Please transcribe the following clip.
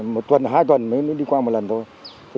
một tuần hai tuần mới đi qua một lần thôi